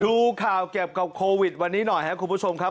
ดูข่าวเกี่ยวกับโควิดวันนี้หน่อยครับคุณผู้ชมครับ